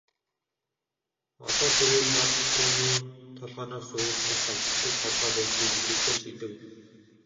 Одоо тэрээр Мад түүний толгойноос өөр бас ажилладаг толгой байдгийг үзүүлэхээр шийдэв.